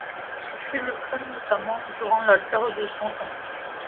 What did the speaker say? Ce fut le cas notamment durant la guerre de Cent Ans.